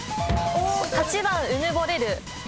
８番うぬぼれる。